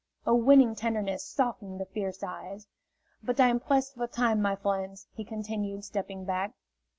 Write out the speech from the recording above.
A winning tenderness softened the fierce eyes. "But I am pressed for time, my friends," he continued, stepping back.